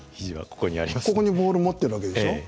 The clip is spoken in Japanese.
ここにボール持ってるわけでしょ。